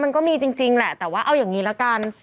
มันก็มีจริงแหละแต่ว่าเอาอย่างนี้ละกัน